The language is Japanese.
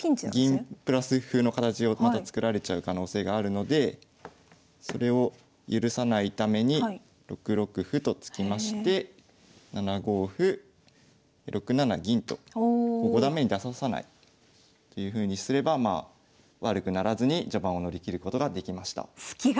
銀プラス歩の形をまた作られちゃう可能性があるのでそれを許さないために６六歩と突きまして７五歩６七銀ともう五段目に出させないというふうにすれば悪くならずに序盤を乗り切ることができました。